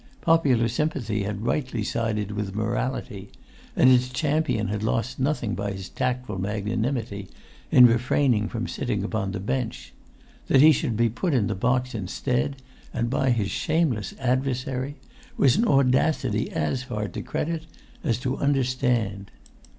Popular sympathy had rightly sided with morality, and its champion had lost nothing by his tactful magnanimity in refraining from sitting upon the bench; that he should be put in the box instead, and by his shameless adversary,[Pg 167] was an audacity as hard to credit as to understand.